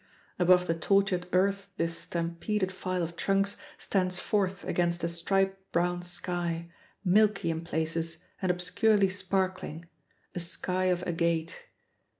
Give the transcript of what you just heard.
Above the tortured earth, this stampeded file of trunks stands forth against a striped brown sky, milky in places and obscurely sparkling a sky of agate.